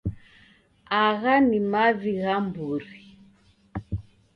Agha ni mavi gha mburi